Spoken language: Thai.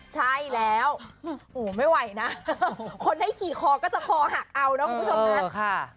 ใช่แล้วไม่ไหวนะคนให้ขี่คอก็จะคอหักเอานะคุณผู้ชมนะ